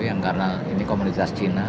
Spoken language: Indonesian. yang karena ini komunitas cina